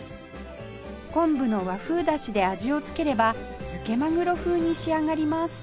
昆布の和風だしで味を付ければ漬けマグロ風に仕上がります